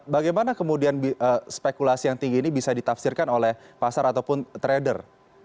bagaimana kemudian spekulasi yang tinggi ini bisa ditafsirkan oleh pasar ataupun trader